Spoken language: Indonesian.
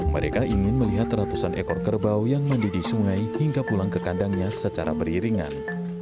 mereka ingin melihat ratusan ekor kerbau yang mandi di sungai hingga pulang ke kandangnya secara beriringan